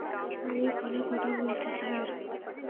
আমি ফোনে কথা বলছি, স্যার।